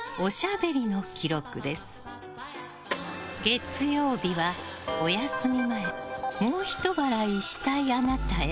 月曜日は、お休み前もうひと笑いしたいあなたへ。